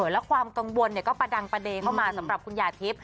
แล้วความกังวลก็ประดังประเด็นเข้ามาสำหรับคุณยาทิพย์